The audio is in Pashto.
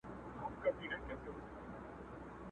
نن د پنجابي او منظور جان حماسه ولیکه!.